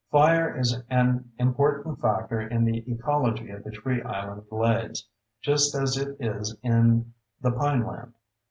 Fire is an important factor in the ecology of the tree island glades, just as it is in the pineland.